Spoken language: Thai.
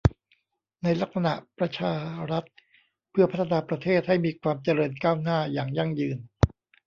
ในลักษณะประชารัฐเพื่อพัฒนาประเทศให้มีความเจริญก้าวหน้าอย่างยั่งยืน